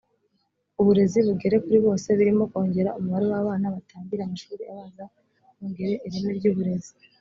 uburezi bugere kuri bose birimo kongera umubare w’abana batangira amashuri abanza kongera ireme ry’uburezi